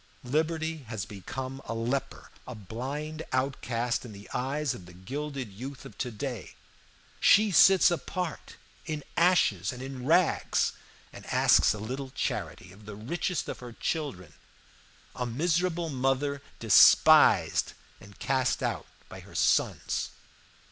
Liberty has become a leper, a blind outcast in the eyes of the gilded youth of to day. She sits apart in ashes and in rags, and asks a little charity of the richest of her children a miserable mother despised and cast out by her sons.